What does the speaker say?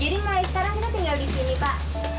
jadi mai sekarang kita tinggal disini pak